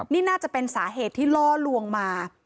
นี่น่าจะเป็นสาเหตุที่ล่อลวงมา